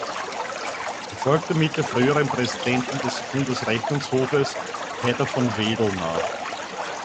Er folgt damit der früheren Präsidentin des Bundesrechnungshofes Hedda von Wedel nach.